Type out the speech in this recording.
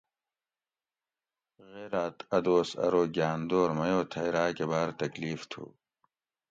غیراۤت اۤ دوس ارو گاۤن دور میٔو تھئ راۤکہ باۤر تکلیف تھُو